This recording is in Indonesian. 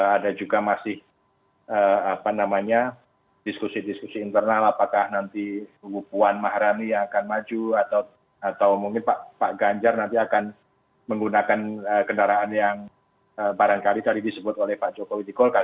ada juga masih apa namanya diskusi diskusi internal apakah nanti puan maharani yang akan maju atau mungkin pak ganjar nanti akan menggunakan kendaraan yang barangkali tadi disebut oleh pak jokowi di golkar